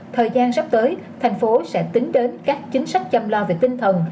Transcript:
thời gian sắp tới thành phố sẽ tính đến các chính sách chăm lo về tinh thần